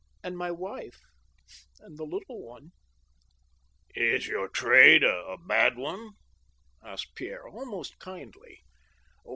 And my wife ? And the little one ?"" Is your trade a bad one ?" asked Pierre, almost kindly.